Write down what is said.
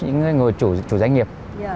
những người chủ doanh nghiệp